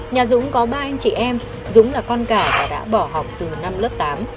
nhà dũng có ba anh chị em dũng là con cả và đã bỏ học từ năm lớp tám